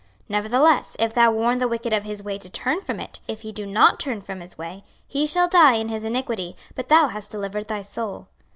26:033:009 Nevertheless, if thou warn the wicked of his way to turn from it; if he do not turn from his way, he shall die in his iniquity; but thou hast delivered thy soul.